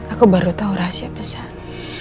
aku baru tahu rahasia besar